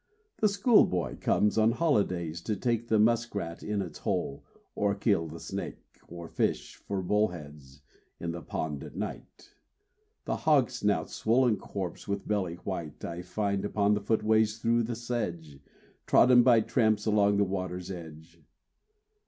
The school boy comes on holidays to take The musk rat in its hole, or kill the snake, Or fish for bull heads in the pond at night. The hog snout's swollen corpse, with belly white, I find upon the footway through the sedge, Trodden by tramps along the water's edge.